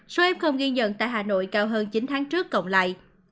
số f ghi nhận tại hà nội cao hơn chín tháng trước cộng lại